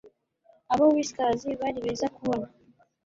abo whiskers bari beza kubona